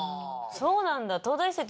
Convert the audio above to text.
そうなんだ。